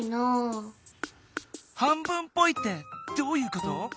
半分っぽいってどういうこと？